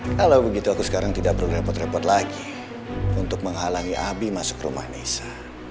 kalau begitu aku sekarang tidak berrepot repot lagi untuk menghalangi abi masuk rumah desa